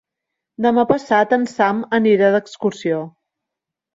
Demà passat en Sam anirà d'excursió.